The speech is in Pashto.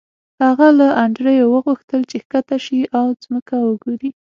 هغه له انډریو وغوښتل چې ښکته شي او ځمکه وګوري